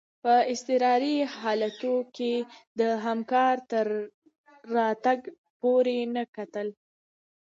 په اضطراري حالاتو کي د همکار تر راتګ پوري نه کتل.